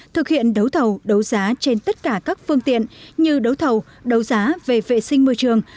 thực hiện đấu thầu đấu giá trên tất cả các phương tiện như đấu thầu đấu giá về vệ sinh môi trường